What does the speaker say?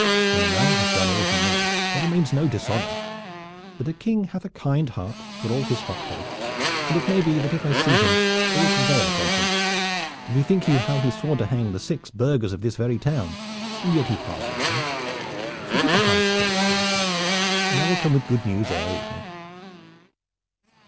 "When a man has done all he may there remains no dishonor; but the King hath a kind heart for all his hot head, and it may be that if I see him I will prevail upon him. Bethink you how he swore to hang the six burghers of this very town, and yet he pardoned them. So keep a high heart, fair son, and I will come with good news ere evening."